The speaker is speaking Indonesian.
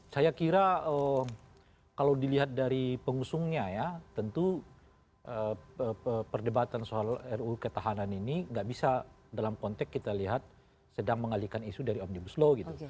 saya kira kalau dilihat dari pengusungnya ya tentu perdebatan soal ruu ketahanan ini nggak bisa dalam konteks kita lihat sedang mengalihkan isu dari omnibus law gitu